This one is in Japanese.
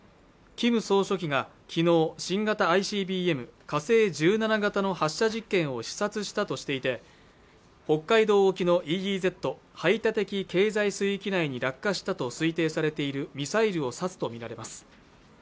キム総書記がきのう新型ＩＣＢＭ火星１７型の発射実験を視察したとしていて北海道沖のＥＥＺ＝排他的経済水域内に落下したと推定されているミサイルを指すと見られます